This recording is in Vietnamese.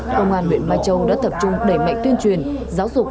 công an huyện mai châu đã tập trung đẩy mạnh tuyên truyền giáo dục